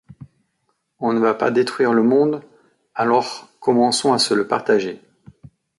On ne va pas détruire le monde, alors commençons à se le partager.